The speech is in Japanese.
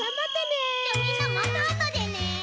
じゃあみんなまたあとでね。